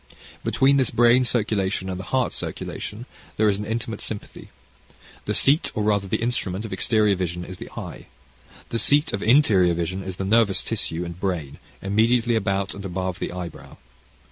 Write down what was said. Between this brain circulation and the heart circulation there is an intimate sympathy. The seat, or rather the instrument of exterior vision, is the eye. The seat of interior vision is the nervous tissue and brain, immediately about and above the eyebrow.